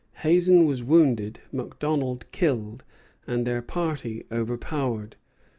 Hazen was wounded, MacDonald killed, and their party overpowered.